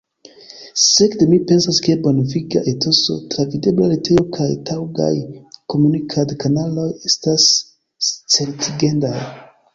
Sekve mi pensas ke bonveniga etoso, travidebla retejo kaj taŭgaj komunikadkanaloj estas certigendaj.